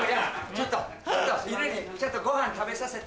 ちょっと犬にごはん食べさせて。